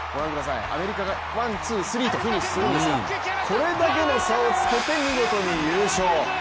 アメリカがワンツースリーとフィニッシュするんですがこれだけの差をつけて見事に優勝。